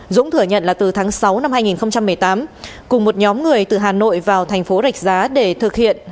dũng thừa nhận là từ tháng sáu năm hai nghìn một mươi tám cùng một nhóm người từ hà nội vào thành phố rạch giá để thực hiện